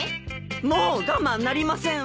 もう我慢なりませんわ！